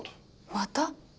また？